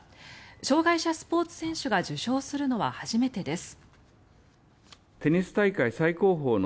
障害者スポーツ選手が受賞するのは初めてです。